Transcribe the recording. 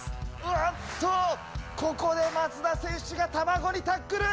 わっと、ここで松田選手が卵にタックル！